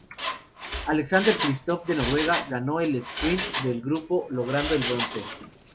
Alexander Kristoff de Noruega ganó el sprint del grupo logrando el bronce.